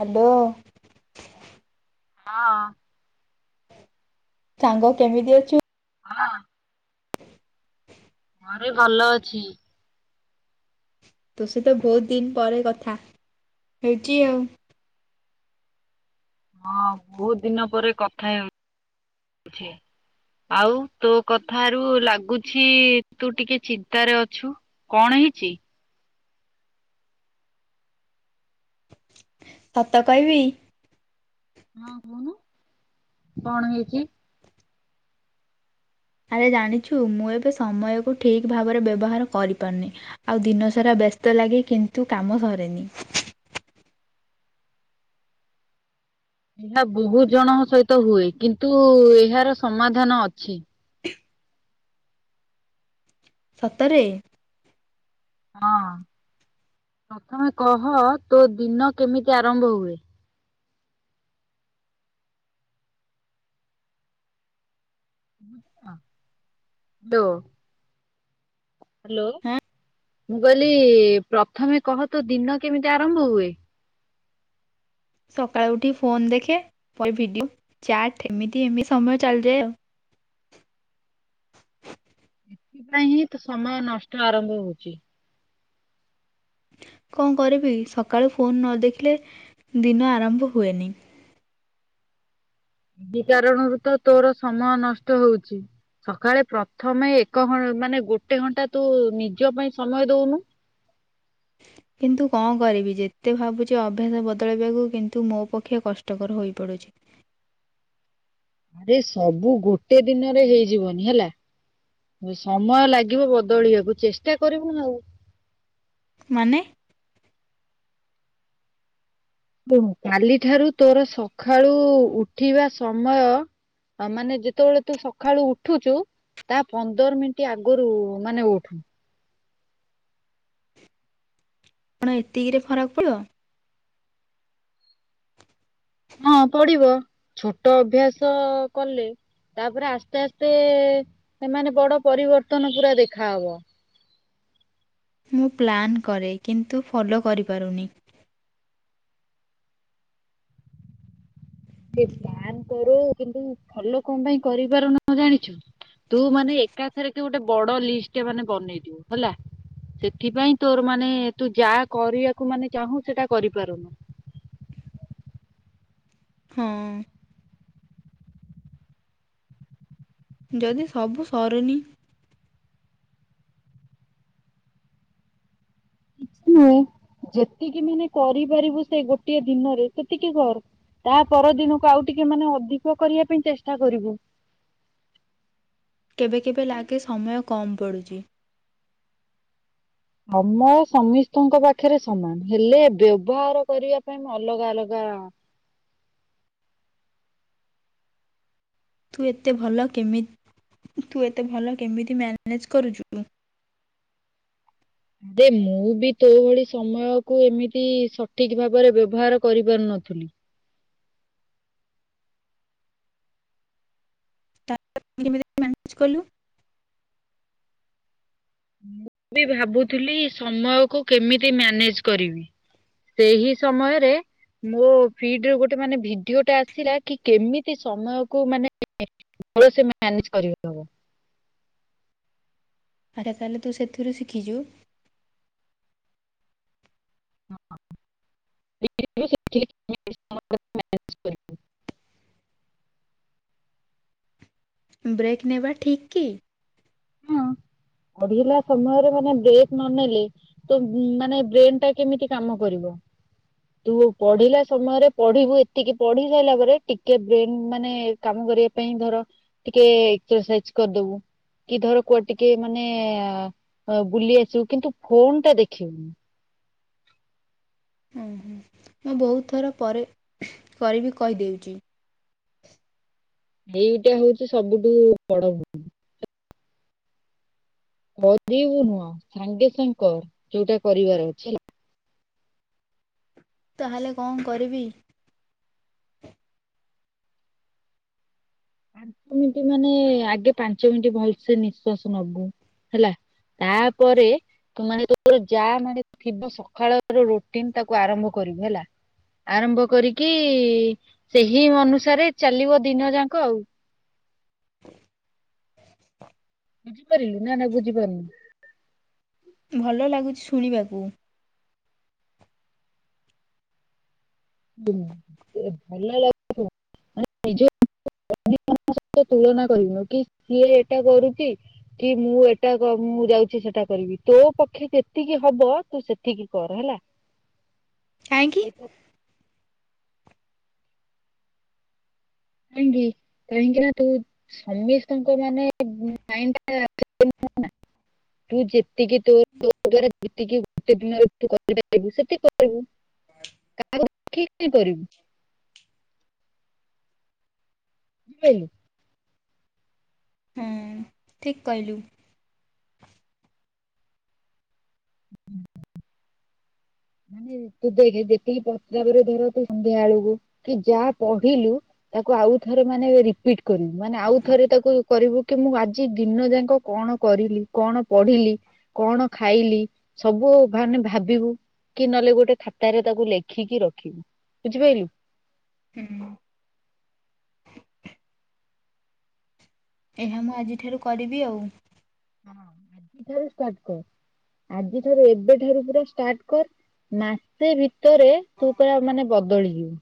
Hello. ହଁ। ସାଙ୍ଗ କେମିତି ଅଛୁ? ହଁ। ହଁ ରେ ଭଲ ଅଛି। ତୋ ସ ହିତ ବହୁତ ଦିନ ପରେ କଥା ହେଉଛି ଆଉ। ହଁ ବହୁତ ଦିନ ପରେ କଥା ହେଉଛି। ଆଉ ତୋ କଥାରୁ ଲାଗୁଛି ତୁ ଟିକେ ଚିନ୍ତାରେ ଅଛୁ। କଣ ହେଇଚି? ସତ କହିବି। ହଁ କହୁନୁ କଣ ହେଇଚି? ଆରେ ଜାଣିଛୁ ମୁଁ ଏବେ ସମୟକୁ ଠିକ୍ ଭାବରେ ବ୍ୟବହାର କରିପାରୁନି। ଆଉ ଦିନସାରା ବ୍ୟସ୍ତ ଲାଗେ କିନ୍ତୁ କାମ ସରେନି। ଏହା ବହୁତ ଜଣଙ୍କ ସହିତ ହୁଏ କିନ୍ତୁ ଏହାର ସମାଧାନ ଅଛି। ସତରେ। ହଁ ପ୍ରଥମେ କହ ତୋ ଦିନ କେମିତି ଆରମ୍ଭ ହୁଏ? ହାଲୋ। ହ୍ୟାଲୋ, ହଁ ମୁଁ କହିଲି ପ୍ରଥମେ କହ ତୋ ଦିନ କେମିତି ଆରମ୍ଭ ହୁଏ? ସକାଳୁ ଉଠି ଫୋନ ଦେଖେ ଫଲ୍ ଭିଡିଓ ଚାଟ୍ ଏମିତି ଏମିତି ସମୟ ଚାଲିଯାଏ ଆଉ। ଏଥିପାଇଁ ହିଁ ତ ସମୟ ନଷ୍ଟ ଆରମ୍ଭ ହଉଚି। କଁ କରିବି ସକାଳୁ ଫୋନ ନ ଦେଖିଲେ ଦିନ ଆରମ୍ଭ ହୁଏନି। ସେ କାରଣରୁ ତ ତୋର ସମୟ ନଷ୍ଟ ହଉଚି। ସକାଳେ ପ୍ରଥମେ ଏକ ଘ ମାନେ ଗୋଟେ ଘଣ୍ଟା ତୁ ନିଜ ପାଇଁ ସମୟ ଦଉନୁ। କିନ୍ତୁ କଁ କରିବି ଯେତେ ଭାବୁଛି ଅଭ୍ୟାସ ବଦଳାଇବାକୁ କିନ୍ତୁ ମୋ ପକ୍ଷେ କଷ୍ ଷ୍ଟକର ହୋଇ ପଡୁଚି। ରେ ସବୁ ଗୋଟେ ଦିନରେ ହେଇଯିବନି ହେଲା। ସମୟ ଲାଗିବ ବଦଳିବାକୁ ଚେଷ୍ଟା କରିବୁ ନା ଆଉ। ମାନେ ଓହୋ, କାଲିଠାରୁ ତୋର ସକାଳୁ ଉଠିବା ସମୟ ତା ମାନେ ଯେତେବେଳେ ତୁ ସକାଳୁ ଉଠୁଚୁ ତା ପନ୍ଦର ମିନିଟ ଆଗରୁ ମାନେ ଉଠୁ। କଣ ଏତିକିରେ ଫରକ ପଡିବ। ହଁ ପଡିବ ଛୋଟ ଅଭ୍ୟାସ କଲେ। ତାପରେ ଆସ୍ତେ ଆସ୍ତେ ସେ ମାନେ ବଡ ପରିବର୍ତ୍ତନ ପୁରା ଦେଖା ହବ। ମୁଁ ପ୍ଲାନ୍ କରେ କିନ୍ତୁ ଫଲୋ କରିପାରୁନି। ସେ ପ୍ଲାନ୍ କରୁ କିନ୍ତୁ ଫଲୋ କଁ ପାଇଁ କରିପାରୁନୁ ଜାଣିଛୁ? ତୁ ମାନେ ଏକାଥରେ କେ ଗୋଟେ ବଡ ଲିଷ୍ଟ ମାନେ ବନେଇ ଥିବୁ ହେଲା। ସେଥିପାଇଁ ତୋର ମାନେ ତୁ ଯାଆ କରିବାକୁ ମାନେ ଚାହୁଁ ସେଟା କରିପାରୁନୁ। ହଁ। ଯଦି ସବୁ ସରୁନି ଯେତିକି ମାନେ କରିପାରିବୁ ସେ ଗୋଟିଏ ଦିନରେ ସେତିକି କର। ତା ପରଦିନକୁ ଆଉ ଟିକେ ମାନେ ଅଧିକ କରିବା ପାଇଁ ଚେଷ୍ଟା କରିବୁ। କେବେ କେବେ ଲାଗେ ସମୟ କମ ପଡୁଚି। ସମ ସମସ୍ତିଙ୍କ ପାଖରେ ସମାନ ହେଲେ ବ୍ୟବହାର କରିବା ପାଇଁ ମୁଁ ଅଲଗାଅଲଗା ତୁ ଏତେ ଭଲ କେମିତ୍ ତୁ ଏତେ ଭଲ କେମିତି ମ୍ୟାନେଜ୍ କରୁଛୁ? ଦେ ମୁଁ ବି ତୋ ଭଳି ସମୟକୁ ଏମିତି ସଠିକ୍ ଭାବରେ ବ୍ୟବହାର କରିପାରୁ ନଥିଲି। ତା କେମିତି ମ୍ୟାନେଜ୍ କଲୁ। ମୁଁ ବି ଭାବୁଥିଲି ସମୟକୁ କେମିତି ମ୍ୟାନେଜ୍ କରିବି। ସେହି ସମୟରେ ମୋ ଫିଡ ରୁ ଗୋଟେ ମାନେ ଭିଡିଓ ଟା ଆସିଲା କି କେମିତି ସମୟକୁ ମାନେ ଭଲ ସେ ମ୍ୟାନେଜ କରି ହବ। ଆଚ୍ଛା ତାହେଲେୁ ସେଥିରୁ ଶିଖିଛୁ। [inaudible] [inaudible] ବ୍ରେକ୍ ନେବା ଠିକ୍ କି ହଁ ପଢିଲା ସମୟରେ ମାନେ ବ୍ରେକ୍ ନନେଲେ ତ ମାନେ ବ୍ରେନ ଟା କେମିତି କାମ କରିବ। ତୁ ପଢିଲା ସମୟରେ ପଢିବୁ ଏତିକି ପଢି ସାରିଲା ପରେ ଟିକେ ବ୍ରେନ ମାନେ କାମ କରିବା ପାଇଁ ଧର ଟିକେ ଏକ୍ସରସାଇଜ କରିଦବୁ। କି ଧର କୁଆ ଟିକେ ମାନେ ବୁଲି ଆସିବୁ କିନ୍ତୁ ଫୋନ ଟା ଦେଖିବୁନି। ଓହ ମୁଁ ବହୁତ ଥର ପରେ କରିବି କହିଦେଉଛି। ଏଇଟା ହଉଛି ସବୁଠୁ ବଡ ଭୁଲ। କରିବୁ ନୁହଁ ସାଙ୍ଗେ ସାଙ୍ଗ କର ଯୋଉଟା କରିବାର ଅଛି ହେଲା। ତାହେଲେ କଣ କରିବି? ପାଞ୍ଚ ମିନିଟ ମାନେ ଆଗେ ପାଞ୍ଚ ମିନିଟ ଭଲସେ ନିଶ୍ଵାସ ନବୁ ହେଲା। ତାପରେ ତୁ ମାନେ ତୋର ଯାହା ମାନେ ଥିବ ସକାଳ ର ରୁଟିନ ତାକୁ ଆରମ୍ଭ କରିବୁ ହେଲା। ଆରମ୍ଭ କରିକି ସେହି ଅନୁସାରେ ଚାଲିବ ଦିନ ଯାକ ଆଉ [inaudible] ବୁଝିପାରିଲୁ ନା ବୁଝିପାରୁନ। ଭଲ ଲାଗୁଛି ଶୁଣିବାକୁ। [unintelligible] ହି ତୁଳନା କରନୁ କି ସିଏ ଏଟା କରୁଛି କି ମୁଁ ଏଟା ମୁଁ ଯାଉଛି ସେଟା କରିବି ତୋ ପକ୍ଷେ କେତିକି ହବ ତୁ ସେତିକି କର ହେଲା। [inaudible] କାହିଁକି? [unintelligible] ସମସ୍ତଙ୍କ ମାନେ ତୁ ଯେତିକି ତୋଦ୍ୱାରା ଯେତିକି ଗୋଟେ ଦିନିବୁ ସେତିକି କରିବୁ। କାହାକୁ ଦେଖିକି କରିବୁ [unintelligible] [unintelligible] ହୁଁ ଠିକ କହିଲୁ। ହୁଁ। ମାନେ ତୁ ଦେଖେ ଯେତିକି ପ୍ରତାବରେ ଧର ତୁ ସନ୍ଧ୍ୟା ବେଳକୁ କି ଯାହା କହିଲୁ ତାକୁ ଆଉଥରେ ମାନେ ରିପିଟ କରିବୁ ମାନେ ଆଉ଼ ଥରେ ତାକୁ କରିବୁ କି ମୁଁ ଆଜି ଦିନ ଯାକ କଣ କରିଲି କଣ ପଢିଲି କଣ ଖାଇଲି ସବୁ ମାନେ ଭାବିବୁ। କି ନହେଲେ ଗୋଟେ ଖାତାରେ ତାକୁ ଲେଖିକି ରଖିବୁ ବୁଝିପାଇଲୁ। ହୁଁ। ଏହା ମୁଁ ଆଜିଠାରୁ କରିବି ଆଉ। ହଁ [unintelligible] କର। ଆଜି ଠାରୁ ଏବେଠାରୁ ପୁରା ଷ୍ଟାର୍ଟ କର ମାସେ ଭିତରେ ତୁ ପୁରା ମାନେ ବଦଳିଯିବୁ।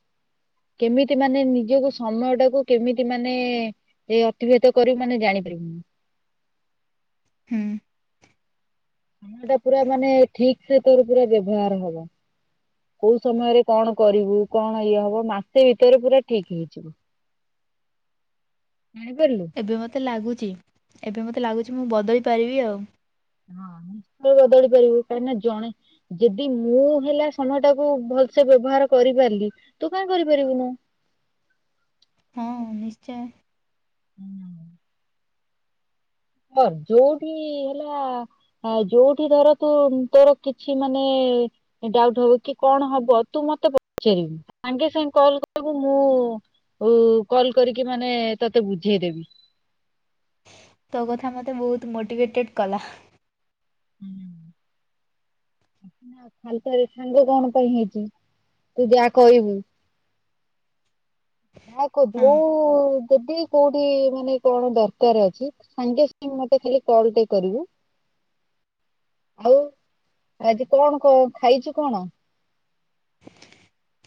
କେମିତି ମାନେ ନିଜକୁ ସମୟ ଟାକୁ କେମିତି ମାନେ ଏଇ ଅତିବାହିତ କରିବୁ ମାନେ ଜାଣିପାରିବୁ। ହୁଁ। ଖାନ ଟା ପୁରା ମାନେ ଠିକ ସେ ତୋର ପୁରା ବ୍ୟବହାର ହବ। କୋଉ ସମୟରେ କଣ କରିବୁ କଣ ଇଏ ହବ ମାସେ ଭିତରେ ପୁରା ଠିକ ହେଇଯିବ। ଯାଣି ପାରିଲୁ। ଏବେ ମୋତେ ଲାଗୁଚି, ଏବେ ମୋତେ ଲାଗୁଚି ମୁଁ ବଦଳି ପାରିବି ଆଉ। ହଁ ବଦଳି ପାରିବୁ କାହିଁକି ନା ଜଣେ ଯଦି ମୁଁ ହେଲା ସମୟ ଟାକୁ ଭଲସେ ବ୍ୟବହାର କରିପାରିଲି ତୁ କାଇ କରିପାରିବୁନୁ। ହଁ ନିଶ୍ଚୟ। ହ ଯୋଉଠି ହେଲା ଆଉ ଯୋଉଠି ଧର ତୁ ତୋର କିଛି ମାନେ ଡାଉଟ ହବ କି କଣ ହବ ତୁ ମତେ ପଚାରିବୁ। ସାଙ୍ଗେ ସାଙ୍ଗେ କଲ କରିବୁ ମୁଁ ଓ କଲ କରିକି ମାନେ ତତେ ବୁଝେଇଦେବି। ତୋ କଥା ମତେ ବହୁତ ମୋଟିଭେଟେଡ କଲା। ଖାଲି ଟାରେ ସାଙ୍ଗ କଣ ପାଇଁ ହେଇଚି ତୁ ଯାହା କହିବୁ ହାକ୍ ହଁ ଯୋଉ ଯଦି କୋଉଠି ମାନେ କଣ ଦରକାର ଅଛି ସାଙ୍ଗେ ସାଙ୍ଗେ ମତେ ଖାଲି କଲ ଟେ କରିବୁ। ଆଉ ଆଜି କଣ କ ଖାଇଚୁ କଣ?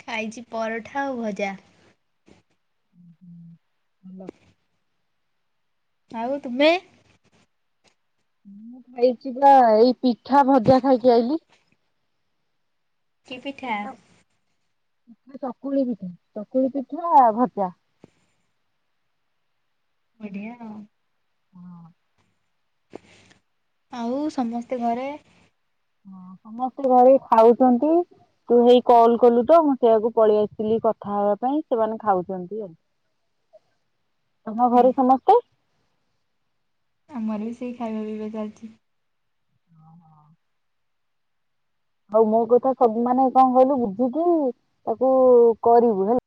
ଖାଇଛି ପରଠା ଆଉ ଭଜା। [unintelligible] ଆଉ ତୁମେ? ଏଇଠି ବା ଏଇ ପିଠା ଭଜା ଖାଇକି ଆଇଲିି। କି ପିଠା? ଚକୁଳି ପିଠା, ଚକୁଳି ପିଠା ଭଜା। ବଢିଆ ଆଉ। ଆଉ ସମସ୍ତେ ଘରେ? ହଁ ସମସ୍ତେ ଘରେ ଖାଉଚନ୍ତି। ତୁ ହେଇ କଲ୍ କଲୁ ତ ମୁଁ ସେଇଆକୁ ପଳେଇ ଆସଥିଲି କଥା ହେବା ପାଇଁ ସେମାନେ ଖାଉଚନ୍ତି ଆଉ। ତମ ହୁଁ ଘରେ ସମସ୍ତେ? ଆମର ବି ସେଇ ଖାଇବା ପିଇବା ଚାଲିଚି। ଓହୋ। ହଉ ମୋ କଥା ସବୁ ମାନେ କଣ କହିଲୁ ବୁଝିକି ତାକୁ କରିବୁ ହେଲା।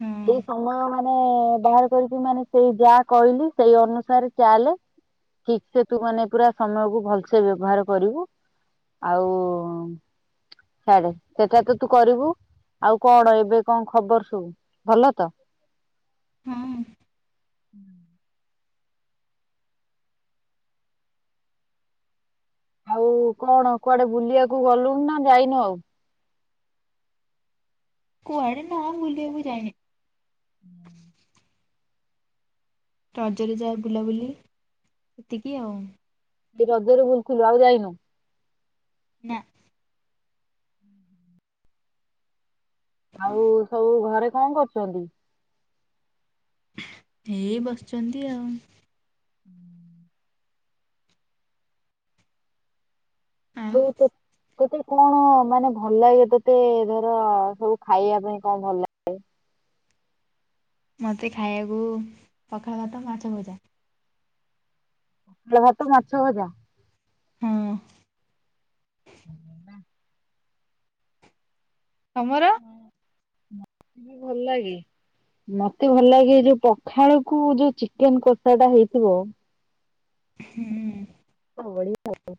ହୁଁ ସେଇ ସମୟ ମାନେ ବାହାର କରିକି ମାନେ ସେଇ ଯାହା କହିଲି ସେଇ ଅନୁସାରେ ଚାଲେ। ଠିକ୍ ସେ ତୁ ମାନେ ପୁରା ସମୟକୁୁ ଭଲସେ ବ୍ୟବହାର କରିବୁ। ଆଉ ଛାଡ଼େ। ସେଟା ତ ତୁ କରିବୁ ଆଉ କଣ ଏବେ କଣ ଖବର ସବୁ? ଭଲ ତ। ହଁ। ଆଉ କଣ କୁଆଡେ ବୁଲିବାକୁ ଗଲୁଣି ନା ଯାଇନୁ ଆଉ? କୁଆଡେ ନାଁ ବୁଲିବାକୁ ଯାଇନି। ରଜରେ ଯା ବୁଲାବୁଲି ସେତିକି ଆଉ। ଏ ରଜରେ ବୁଲୁଥୁଲୁ ଆଉ ଯାଇନୁ। ନା। ଆଉ ସବୁ ଘରେ କଣ କରୁଛନ୍ତି? ଏଇ ବସଛନ୍ତି ଆଉ। ଆଉ [unintelligible] ତୋତେ କଣ ମାନେ ଭଲ ଲାଗେ ତୋତେ ଧର ସବୁ ଖାଇବା ପାଇଁ କଣ ଭଲ ଲାଗେ? ମତେ ଖାଇବାକୁ ପଖାଳ ଭାତ, ମାଛ ଭଜା। ପଖାଳ ଭାତ, ମାଛ ଭଜା। ହଁ। [inaudible] ତମର। ଭଲ ଲାଗେ। ମତେ ଭଲ ଲାଗେ ଏ ଯୋଉ ପଖାଳକୁ ଯୋଉ ଚିକେନ କଷା ଟା ହେଇଥିବ। ହୁଁ। ହଁ ବଢିଆ ପାଗ।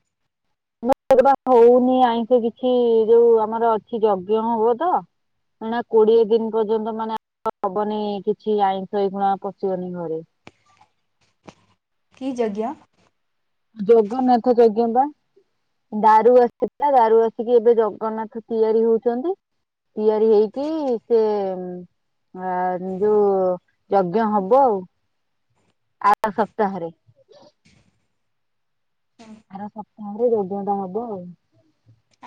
ହଉନି ଆଇଁଷ କିଛି ଯୋଉ ଆମର ଅଛି ଯଜ୍ଞ ହବ ତ। ଏନା କୋଡିଏ ଦିନ ପର୍ଯ୍ୟନ୍ତ ମାନେ ହବନି କିଛି ଆଇଁଷ ଏଇ ଗୁଣା ପଶିବନି ଘରେ। କି ଯଜ୍ଞ? ଜଗନ୍ନାଥ ଯଜ୍ଞ ବା। ଦାରୁ ଆସିଥିଲା ଦାରୁ ଆସିକି ଏବେ ଜଗନ୍ନାଥ ତିଆରି ହଉଚନ୍ତି। ତିଆରି ହେଇକି ସେ ଆ ଯୋଉ ଯଜ୍ଞ ହବ ଆଉ ଆର ସପ୍ତାହରେ। [inaudible] ହୁଁ ଆର ସପ୍ତାହରେ ଯଜ୍ଞ ଟା ହବ ଆଉ।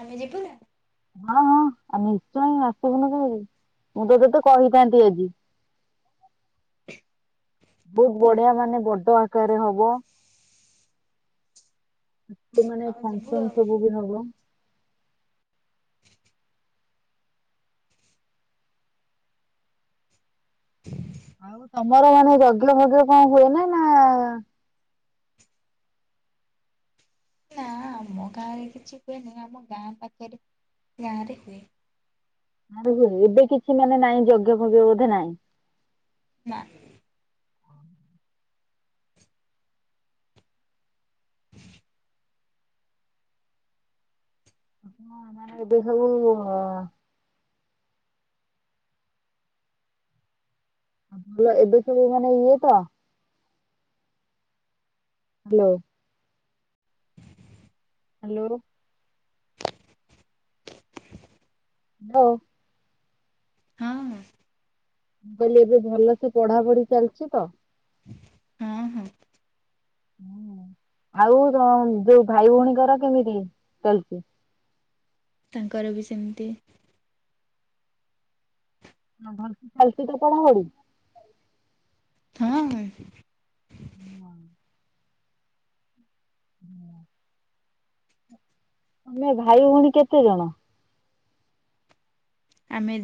ଆମେ ଯିବୁ ନା। ହଁ ହଁ ଆ ନିଶ୍ଚୟ ଆସିବୁନୁ କାହିଁକି ମୁଁ ତ ତତେ କହିଥାନ୍ତି ଆଜି। ବୋହୁତ ବଢିଆ ମାନେ ବଡ ଆକାରରେ ହବ। ମାନେ ଆମେ ଯିବୁ ଫଙ୍କସନ ଆଉ ସବୁ ବି ହବ। [inaudible] ଆଉ ତମର ମାନେ ଯଜ୍ଞ ଭଜ୍ଞ କଣ ହୁଏ ନା ନା? ନା ଆମ ଗାଁରେ କିଛି ହୁଏନି ଆମ ଗାଁ ପାଖରେ ଗାଁରେ ହୁଏ। ଆଁରେ ହୁଏ ଏବେ କିଛି ମାନେ ନାଇଁ ଯଜ୍ଞ ଫଜ୍ଞ ବୋଧେ ନାଇଁ। ନାଁ। [inaudible] ହଁ ମାନେ ଏବେ ସବୁ ଅ ଆ ଭଲ ଏବେ ସବୁ ମାନେ ଇଏ ତ? ହାଲୋ। ହାଲୋ। ଲୋ। ହଁ ହଁ। ମୁଁ କହିଲି ଏବେ ଭଲସେ ପଢ଼ାପଢ଼ି ଚାଲଚି ତ? ଉଁ ହୁଁ। ହୁଁ ଆଉ ତମ ଯୋଉ ଭାଇ ଭଉଣୀଙ୍କର କେମିତି ଚାଲଚି? ତାଙ୍କର ବି ସେମତି ହଁ ଭଲସେ ଚାଲଚି ତ ପଢ଼ାପଢ଼ି? ହଁ ହଁ। ଉଁ ଅଁ ଉଁ ଅଁ ତମେ ଭାଇ ଭଉଣୀ କେତେ ଜଣ? ଆମେ